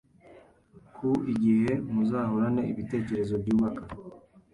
ku igihe muzahorane ibitekerezo byubaka